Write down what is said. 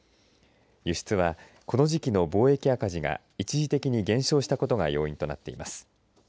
輸出は、この時期の貿易赤字が一時的に減少したことが要因となっています。